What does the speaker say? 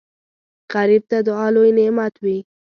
غریب ته دعا لوی نعمت وي